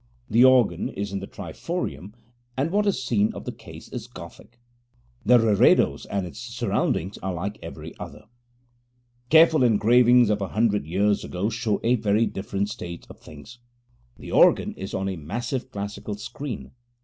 The organ is in the triforium, and what is seen of the case is Gothic. The reredos and its surroundings are like every other. Careful engravings of a hundred years ago show a very different state of things. The organ is on a massive classical screen.